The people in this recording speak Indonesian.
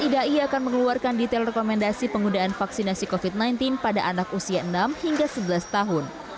idai akan mengeluarkan detail rekomendasi penggunaan vaksinasi covid sembilan belas pada anak usia enam hingga sebelas tahun